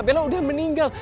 bella udah meninggal